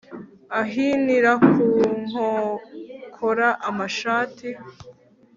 Ahinira ku nkokora amashati